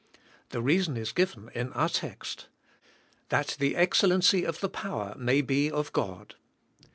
The reason is given in our text, ''That the excellency of the power may be of God."